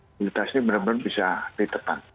mobilitas ini benar benar bisa ditekan